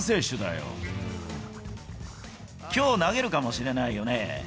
きょう投げるかもしれないよね。